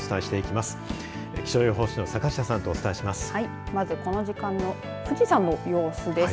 まず、この時間の富士山の様子です。